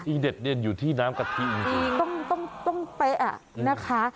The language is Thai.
อีกเด็ดอยู่ที่น้ำกะทิจริงต้องไปอ่ะนะคะ